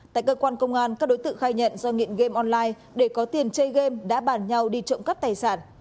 tại cơ quan công an các đối tượng khai nhận do nghiện game online để có tiền chơi game đã bàn nhau đi trộm cắp tài sản